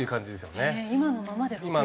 今のままで６０。